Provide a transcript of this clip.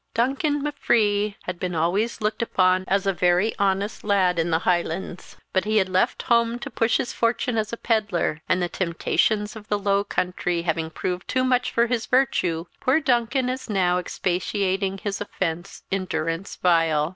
Duncan M'Free had been always looked upon as a very honest lad in the Highlands, but he had left home to push his fortune as a pedlar; and the temptations of the low country having proved too much for his virtue, poor Duncan as now expiating his offence in durance vile.